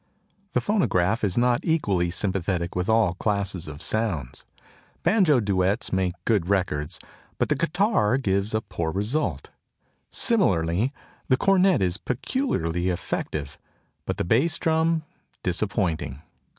The phonograph is not equally sympathetic with all classes of sounds. Banjo duets make good records, but the guitar gives a poor result. Similarly, the cornet is peculiarly effective, but the bass drum disappointing.